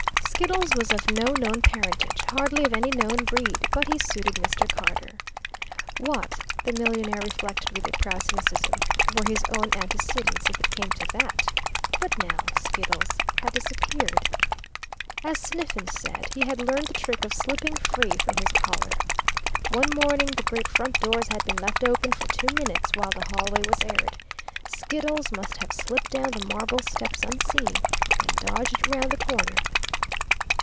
Skiddles was of no known parentage, hardly of any known breed, but he suited Mr. Carter. What, the millionaire reflected with a proud cynicism, were his own antecedents, if it came to that? But now Skiddles had disappeared. As Sniffen said, he had learned the trick of slipping free from his collar. One morning the great front doors had been left open for two minutes while the hallway was aired. Skiddles must have slipped down the marble steps unseen, and dodged round the corner.